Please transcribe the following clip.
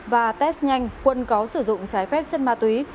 và test nhanh quân có sử dụng trái phép chất ma túy